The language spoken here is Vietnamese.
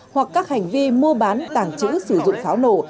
hoặc các hành vi mua bán tảng chữ sử dụng pháo nổ